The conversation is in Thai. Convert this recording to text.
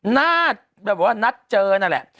นัดแบบว่านัดเจอนั่นแหละ